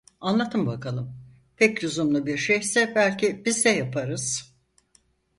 Anlatın bakalım, pek lüzumlu bir şeyse belki biz de yaparız!